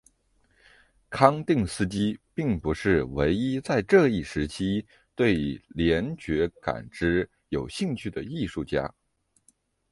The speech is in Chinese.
康定斯基并不是唯一在这一时期对联觉感知有兴趣的艺术家。